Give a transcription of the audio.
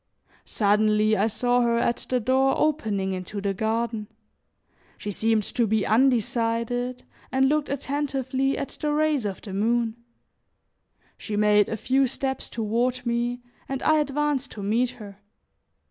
Suddenly I saw her at the door opening into the garden; she seemed to be undecided and looked attentively at the rays of the moon. She made a few steps toward me and I advanced to meet her.